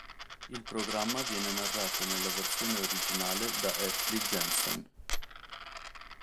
Il programma viene narrato nella versione originale da Ashley Jensen.